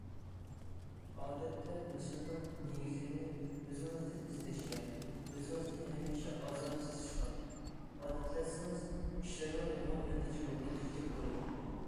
ئادەتتە مەسىلىنىڭ نېگىزىنى ئۆزىڭىزدىن ئىزدەشكە، ئۆزىڭىزنى ھەمىشە ئازادە تۇتۇشقا ئادەتلەنسىڭىز، ئىشلىرىڭىز ھامان نەتىجىلىك بولىدۇ.